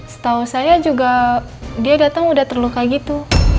setahu saya juga dia datang udah terluka gitu